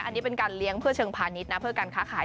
อันนี้เป็นการเลี้ยงเพื่อเชิงพาณิชย์นะเพื่อการค้าขาย